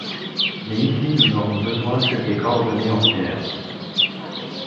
Mais ici nous n'aurons besoin que des coordonnées entières.